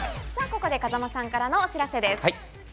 ここで風間さんからのお知らせです。